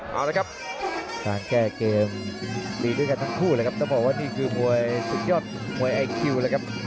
เอาละครับการแก้เกมดีด้วยกันทั้งคู่เลยครับต้องบอกว่านี่คือมวยสุดยอดมวยไอคิวแล้วครับ